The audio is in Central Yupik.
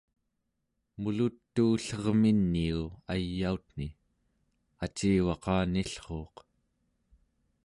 mulut'uullerminiu ayautni acivaqanillruuq